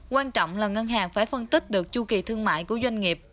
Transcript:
quan trọng là ngân hàng phải phân tích được chu kỳ thương mại của doanh nghiệp